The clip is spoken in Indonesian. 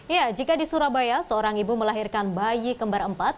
ya jika di surabaya seorang ibu melahirkan bayi kembar empat